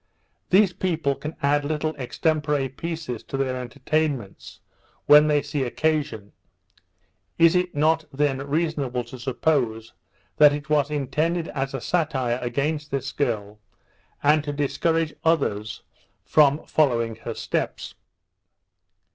These people can add little extempore pieces to their entertainments, when they see occasion. Is it not then reasonable to suppose that it was intended as a satire against this girl, and to discourage others from following her steps?